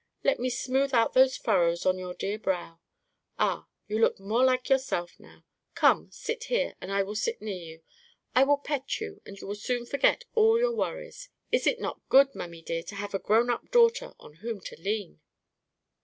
Let me smooth out those furrows on your dear brow! Ah! you look more like yourself now. Come, sit here, and I will sit near you. I will pet you, and you will soon forget all your worries. Is it not good, mammy dear, to have a grown up daughter on whom to lean?"